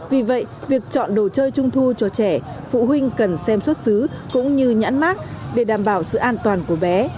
vì vậy việc chọn đồ chơi trung thu cho trẻ phụ huynh cần xem xuất xứ cũng như nhãn mát để đảm bảo sự an toàn của bé